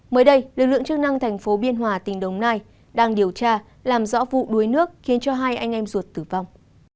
mới đây lực lượng chức năng thành phố biên hòa tỉnh đồng nai đang điều tra làm rõ vụ đuối nước khiến cho hai anh em ruột tử vong